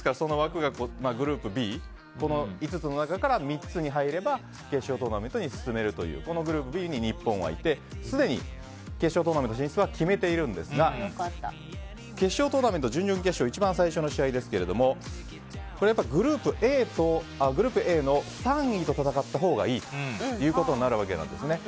枠がグループＢ５つの中から３つに入れば決勝トーナメントに出場できるというこのグループＢに日本はいてすでに決勝トーナメント進出を決めているんですが決勝トーナメント、準々決勝一番最初の試合ですがこれ、グループＡの３位と戦ったほうがいいということになるわけです。